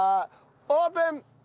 オープン！